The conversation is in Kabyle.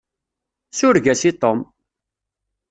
Sureg-as i Tom!